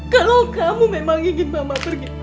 kalau kamu memang ingin bapak pergi